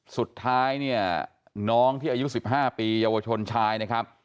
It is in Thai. สุดท้ายเนี่ยน้องที่อายุ๑๕ปีเยาวชนชายนะครับ